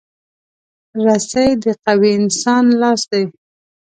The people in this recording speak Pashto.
رسۍ د قوي انسان لاس دی.